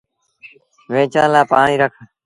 ويچڻ لآ پآڻيٚ رک۔